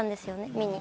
見に。